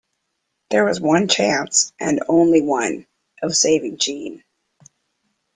There was one chance, and only one, of saving Jeanne.